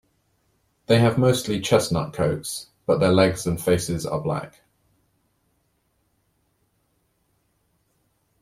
They have mostly chestnut coats, but their legs and faces are black.